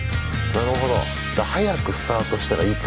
なるほど。